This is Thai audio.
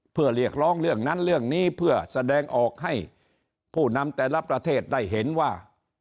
เพื่อเรียกร้องเรื่องนั้นเรื่องนี้เพื่อแสดงออกให้ผู้นำแต่ละประเทศได้เห็นว่า